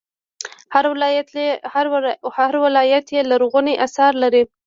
هر ولایت یې لرغوني اثار لري